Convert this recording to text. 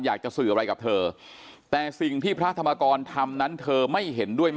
อยากจะสื่ออะไรกับเธอแต่สิ่งที่พระธรรมกรทำนั้นเธอไม่เห็นด้วยไหม